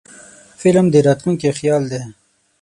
فلم د راتلونکي خیال دی